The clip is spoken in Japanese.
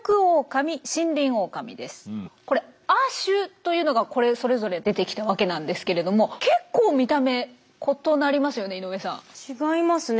これ亜種というのがそれぞれ出てきたわけなんですけれども結構見た目異なりますよね井上さん。違いますね。